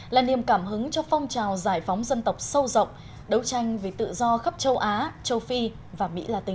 là niềm cảm hứng cho phong trào giải phóng dân tộc sâu rộng đấu tranh vì tự do khắp châu á châu phi và mỹ latin